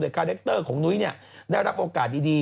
คาแรคเตอร์ของนุ้ยได้รับโอกาสดี